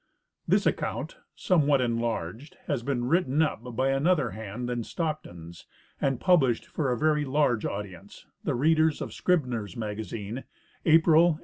This account, somewhat enlarged, has been written up by an other hand than Stockton's and published for a very large audi ence, the readers of Scribner's Magazine, April, 1891.